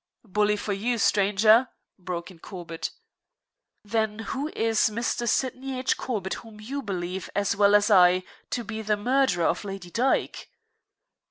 "Bully for you, stranger!" broke in Corbett. "Then who is Mr. Sydney H. Corbett whom you believe, as well as I, to be the murderer of Lady Dyke?"